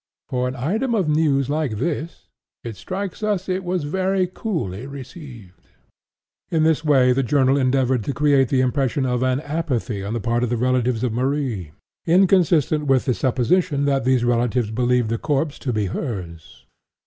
For an item of news like this, it strikes us it was very coolly received." In this way the journal endeavored to create the impression of an apathy on the part of the relatives of Marie, inconsistent with the supposition that these relatives believed the corpse to be hers.